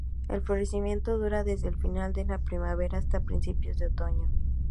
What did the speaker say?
El florecimiento dura desde el final de la primavera hasta principios de otoño.